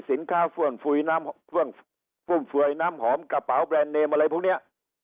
สินค้าฟุ่มฟวยน้ำคว้องฟุ่มฟวยน้ำหอมกระเป๋าแบรนด์เนมอะไรพวกเนี่ย